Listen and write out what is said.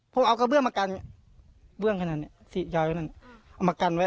ผมเอากระเบื้องมากันเบื้องขนาดเนี้ยสี่ยอยนั่นเอามากันไว้